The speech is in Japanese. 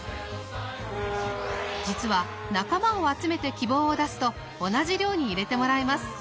実は仲間を集めて希望を出すと同じ寮に入れてもらえます。